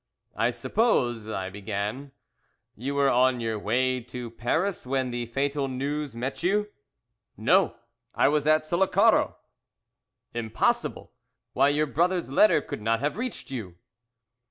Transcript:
"I suppose (I began) you were on your way to Paris when the fatal news met you?" "No, I was at Sullacaro!" "Impossible! Why your brother's letter could not have reached you."